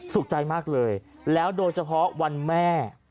สุขใจมากเลยแล้วโดยเฉพาะวันแม่